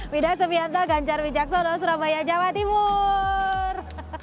widah subianto ganjar wijaksono surabaya jawa timur